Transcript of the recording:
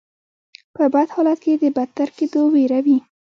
په بد حالت کې د بدتر کیدو ویره وي.